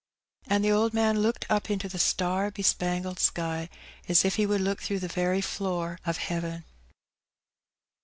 And the old man looked up into the star bespangled sky, as if he would look through the very floor of heaven.